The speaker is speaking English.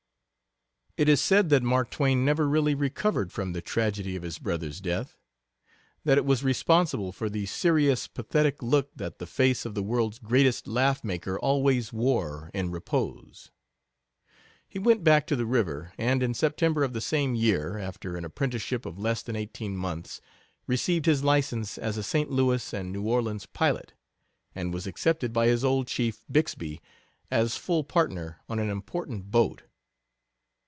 It is said that Mark Twain never really recovered from the tragedy of his brother's death that it was responsible for the serious, pathetic look that the face of the world's greatest laugh maker always wore in repose. He went back to the river, and in September of the same year, after an apprenticeship of less than eighteen months, received his license as a St. Louis and New Orleans pilot, and was accepted by his old chief, Bixby, as full partner on an important boat.